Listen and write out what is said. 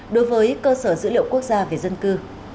đối với cơ sở dữ liệu quốc gia về dân cư